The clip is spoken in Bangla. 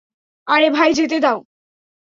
আরে ভাই যেতে দাও!